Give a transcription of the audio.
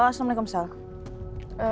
halo assalamualaikum salam